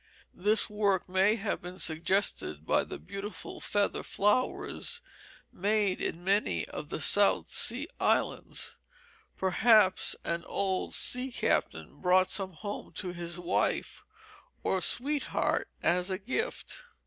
This work may have been suggested by the beautiful feather flowers made in many of the South Sea Islands; perhaps an old sea captain brought some home to his wife or sweetheart as a gift.